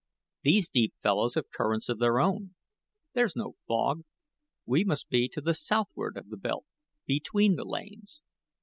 These deep fellows have currents of their own. There's no fog; we must be to the southward of the belt between the Lanes.